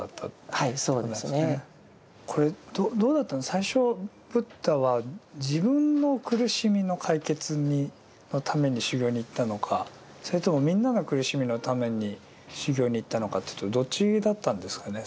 最初ブッダは自分の苦しみの解決のために修行に行ったのかそれともみんなの苦しみのために修行に行ったのかというとどっちだったんですかね。